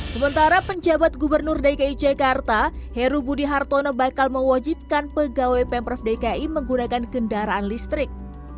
sementara penjabat gubernur dki jakarta heru budi hartono bakal mewajibkan pegawai pemprov dki menggunakan kendaraan listrik